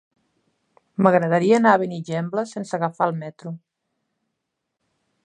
M'agradaria anar a Benigembla sense agafar el metro.